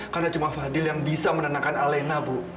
karena cuma fadil yang bisa menenangkan alina bu